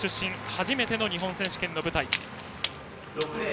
初めての日本選手権の舞台。